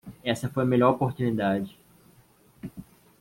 Essa foi a melhor oportunidade.